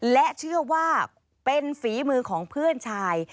และเชื่อว่าเป็นฝีมือของเพื่อนชาย